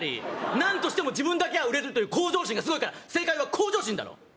なんとしても自分だけは売れるという向上心がすごいから正解は向上心だろ！